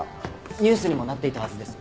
ニュースにもなっていたはずです。